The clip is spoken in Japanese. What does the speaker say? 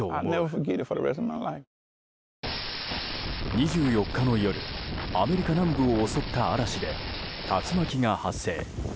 ２４日の夜アメリカ南部を襲った嵐で竜巻が発生。